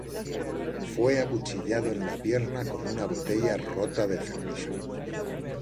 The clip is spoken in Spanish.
Fue acuchillado en la pierna con una botella rota de cerveza.